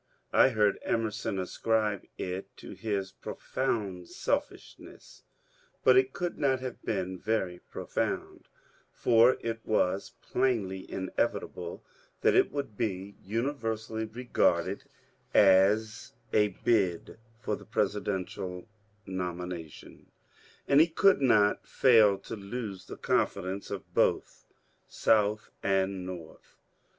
I heard Emerson ascribe it to his *^ profound selfishness," but it could not have been very profound, for it was plainly inevitable that it would be universally regarded WEBSTER AND CLAY 229 as a bid for the presidential nomination ; and he could not fail to lose the confidence of both South and North.